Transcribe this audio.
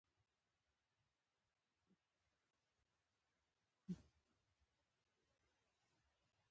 هېواد د ژوند تر ټولو خوږ نوم دی.